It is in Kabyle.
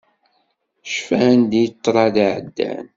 Cfan-d i ṭṭrad iɛeddan.